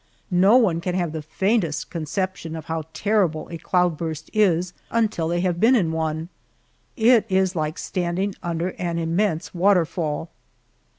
No one can have the faintest conception of how terrible a cloud burst is until they have been in one. It is like standing under an immense waterfall.